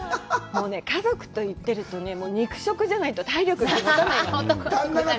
家族と行ってると肉食じゃないと体力がもたないの。